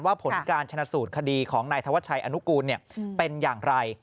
ผลการชนะสูตรคดีของนายธวัชชัยอนุกูลเป็นอย่างไร